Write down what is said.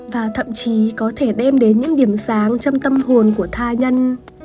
và thậm chí có thể đem đến những điểm sáng trong tâm hồn của tha nhân